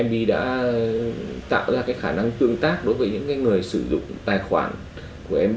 mb đã tạo ra cái khả năng tương tác đối với những người sử dụng tài khoản của mb